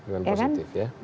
disalurkan dengan positif